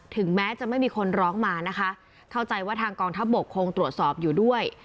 ถึงแม้จะไม่มีคนร้องมานะคะเข้าใจว่าทางกองทัพบกคงตรวจสอบอยู่ด้วย